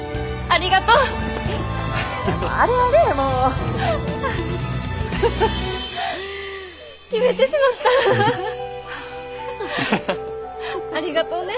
ありがとうね。